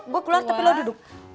gue keluar tapi lo duduk